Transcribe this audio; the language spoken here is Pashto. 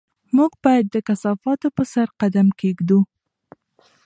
موږ باید د کثافاتو په سر قدم کېږدو.